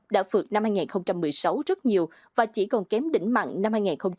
đã phượt năm hai nghìn một mươi sáu rất nhiều và chỉ còn kém đỉnh mặn năm hai nghìn một mươi tám